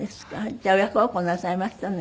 じゃあ親孝行なさいましたね。